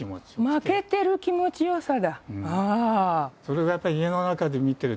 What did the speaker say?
負けてる気持ちよさ